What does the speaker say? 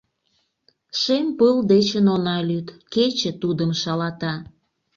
Шем пыл дечын она лӱд Кече тудым шалата